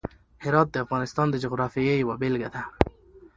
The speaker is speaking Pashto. هرات د افغانستان د جغرافیې یوه بېلګه ده.